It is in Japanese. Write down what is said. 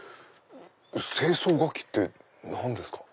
清掃楽器って何ですか？